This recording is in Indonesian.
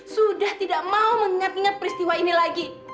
sudah tidak mau mengingat ingat peristiwa ini lagi